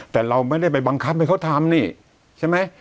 แต่เราไม่ได้ไปบังคับให้เขาทำนี่ใช่ไหม